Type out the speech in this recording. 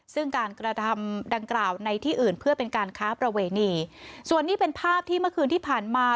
ซึ่งการกระทำดังกล่าวในที่อื่นเพื่อเป็นการค้าประเวณีส่วนนี้เป็นภาพที่เมื่อคืนที่ผ่านมา